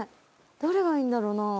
どれがいいんだろうなあ。